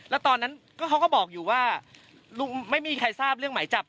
แล้วตอนนั้นเขาก็บอกอยู่ว่าไม่มีใครทราบเรื่องหมายจับ